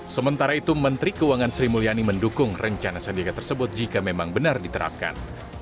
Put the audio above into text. sementara itu menteri keuangan sri mulyani mendukung rencana sandiaga tersebut jika memang benar diterapkan